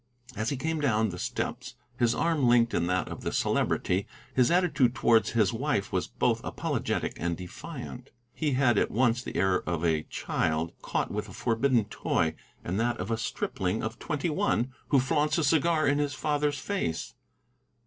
As he came down the steps, his arm linked in that of the Celebrity, his attitude towards his wife was both apologetic and defiant. He had at once the air of a child caught with a forbidden toy, and that of a stripling of twenty one who flaunts a cigar in his father's face.